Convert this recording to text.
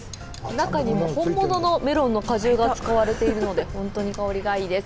中には本物のメロンの果汁が使われているので本当に香りがいいです。